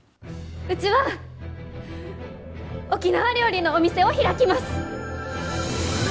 うちは沖縄料理のお店を開きます！